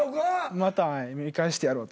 また見返してやろうって。